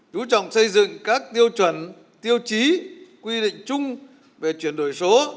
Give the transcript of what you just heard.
chú trọng xây dựng các tiêu chuẩn tiêu chí quy định chung về chuyển đổi số